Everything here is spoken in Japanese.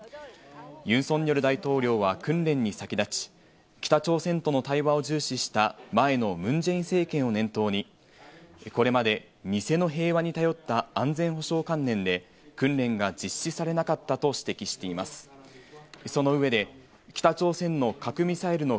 ユン・ソンニョル大統領は訓練に先立ち、北朝鮮との対話を重視した、前のムン・ジェイン政権を念頭に、これまで偽の平和に頼った安全保障観念で、訓練が実施されなかっ全国の皆さん、こんばんは。